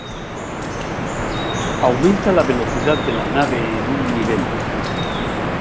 Aumenta la velocidad de la nave en un nivel.